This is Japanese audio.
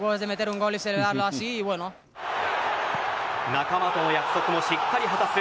仲間との約束もしっかり果たす